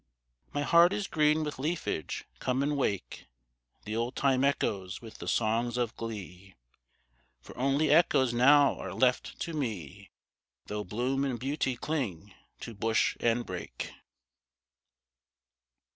My heart is green with leafage; come and wake The old time echoes with the songs of glee, For only echoes now are left to me, Though bloom and beauty cling to bush and brake.